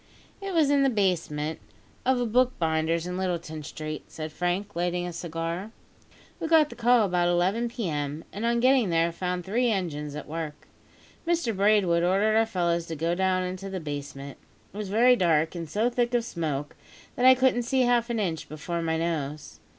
"It was in the basement of a bookbinder's in Littleton Street," said Frank, lighting a cigar. "We got the call about 11 p.m., and on getting there found three engines at work. Mr Braidwood ordered our fellows to go down into the basement. It was very dark, and so thick of smoke that I couldn't see half an inch before my nose.